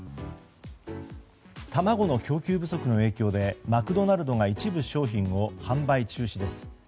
卵の供給不足の影響でマクドナルドが一部商品を販売中止です。